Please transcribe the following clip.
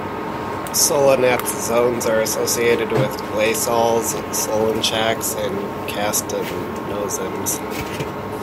Solonetz zones are associated with gleysols, solonchaks and kastanozems.